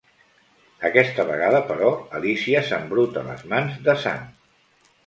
Aquesta vegada, però, Alícia s'embruta les mans de sang.